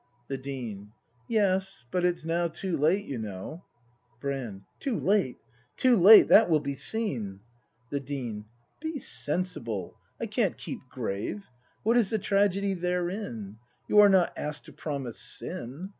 The Dean. Yes; but it's now too late, you know Brand. Too late? Too late! That will be seen! The Dean. Be sensible! I can't keep grave! "What is the tragedy therein ? You are not ask'd to promise sin